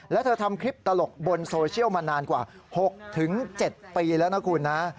แล้วเธอทำคลิปตลกบนโซเชียลมานานกว่า๖๗ปีแล้วนะคุณนะ